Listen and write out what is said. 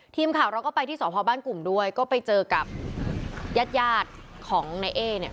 ทีมข่าวเราก็ไปที่สพบ้านกลุ่มด้วยก็ไปเจอกับญาติยาดของนายเอ๊เนี่ย